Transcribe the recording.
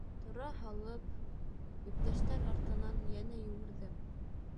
Тора һалып, иптәштәр артынан йәнә йүгерҙем.